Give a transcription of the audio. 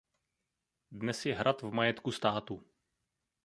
Dnes je hrad v majetku státu.